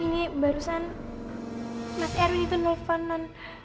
ini barusan mas erw itu nelfon non